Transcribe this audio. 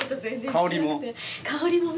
香りも。